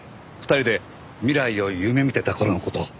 ２人で未来を夢見てた頃の事を。